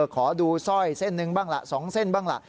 ขอดูสร้อยเส้นหนึ่งบ้างล่ะ๒เส้นบ้างล่ะ